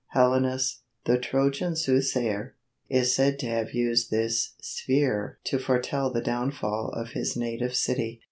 Helenus, the Trojan soothsayer, is said to have used this sphere to foretell the downfall of his native city.